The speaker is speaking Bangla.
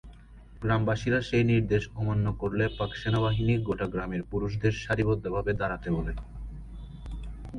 গ্রামবাসীরা সেই নির্দেশ অমান্য করলে পাক সেনাবাহিনী গোটা গ্রামের পুরুষদের সারিবদ্ধভাবে দাঁড়াতে বলে।